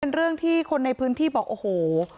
เรื่องที่คนในพื้นที่บอกโอ้โห